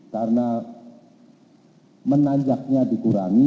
karena menanjaknya dikurangi